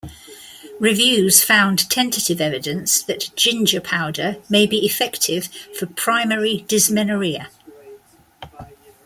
Reviews found tentative evidence that ginger powder may be effective for primary dysmenorrhea.